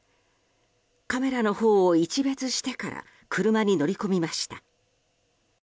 カメラのほうを一瞥してから車に乗り込みました。